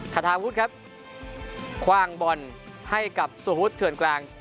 คาทาครับคว่างบอลให้กับสูตรฮุดเหึ่นกลาง